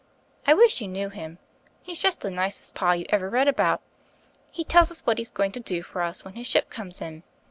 I wish you knew him : he's just the nicest pa you ever read about. He tells us what he's going to do for us when his ship comes in.